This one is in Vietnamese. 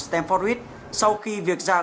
stamford ruiz sau khi việc dàn